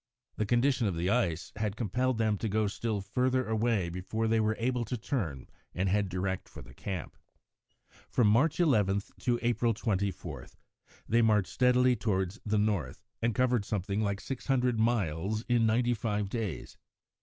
The condition of the ice had compelled them to go still further away before they were able to turn and head direct for the camp. From March 11 to April 24 they marched steadily towards the north, and covered something like six hundred miles in ninety five days.